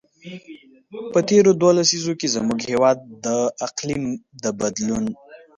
په تېرو دوو لسیزو کې، زموږ هېواد د اقلیم د بدلون.